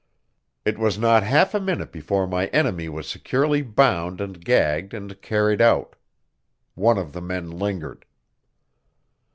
It was not half a minute before my enemy was securely bound and gagged and carried out. One of the men lingered.